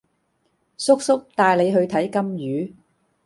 叔叔帶你去睇金魚